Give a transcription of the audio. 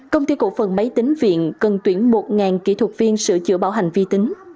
công ty cổ phần máy tính viện cần tuyển một kỹ thuật viên sửa chữa bảo hành vi tính